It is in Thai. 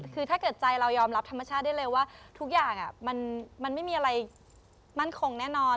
คือถ้าเกิดใจเรายอมรับธรรมชาติได้เลยว่าทุกอย่างมันไม่มีอะไรมั่นคงแน่นอน